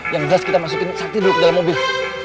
yang jelas kita masukin sakti dulu ke dalam mobil